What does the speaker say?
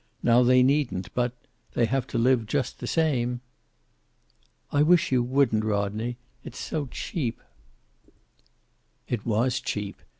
Now they needn't, but they have to live just the same." "I wish you wouldn't, Rodney. It's so cheap." It was cheap.